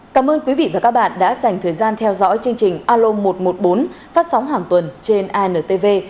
cảm ơn quý vị và các bạn đã dành thời gian theo dõi chương trình alo một trăm một mươi bốn phát sóng hàng tuần trên intv